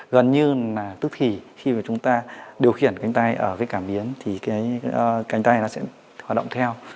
gần như là tức thì khi mà chúng ta điều khiển cánh tay ở cái cảm biến thì cái cánh tay nó sẽ hoạt động theo